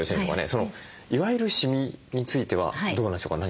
そのいわゆるシミについてはどうなんでしょうか。